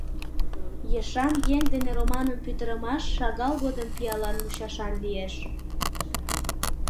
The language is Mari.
Ешан еҥ дене романым пӱтырымаш шагал годым пиалан мучашан лиеш.